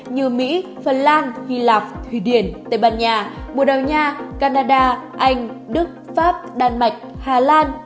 như mỹ phần lan hy lạp thụy điển tây ban nha bồ đào nha canada anh đức pháp đan mạch hà lan